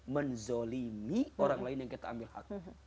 menzolimi orang lain yang kita ambil hak